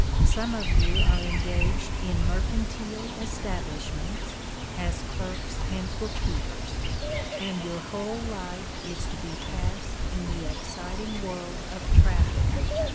Some of you are engaged in mercantile establishments, as clerks and book keepers; and your whole life is to be passed in the exciting world of traffic.